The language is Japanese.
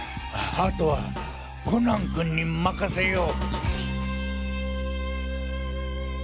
あとはコナン君に任せよう。